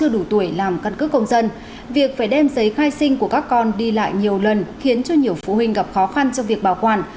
đủ tuổi làm căn cứ công dân việc phải đem giấy khai sinh của các con đi lại nhiều lần khiến cho nhiều phụ huynh gặp khó khăn trong việc bảo quản